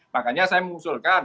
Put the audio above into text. makanya saya mengusulkan